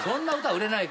売れないの？